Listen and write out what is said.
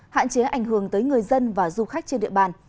hạn chế ảnh hưởng tới người dân và du khách trên địa bàn